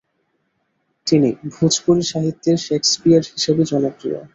তিনি ভোজপুরি সাহিত্যের শেক্সপিয়ার হিসেবে জনপ্রিয়।